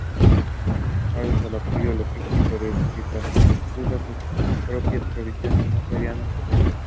Gracias al apoyo logístico desde Siracusa, sus propias provisiones no serían un problema.